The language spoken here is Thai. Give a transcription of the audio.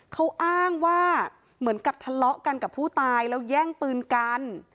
เขาอ้างว่าเหมือนกับทะเลาะกันกับผู้ตายแล้วแย่งปืนกัน